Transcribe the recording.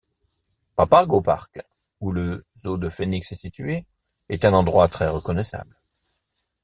Papago Park, où le Zoo de Phoenix est situé, est un endroit très reconnaissable.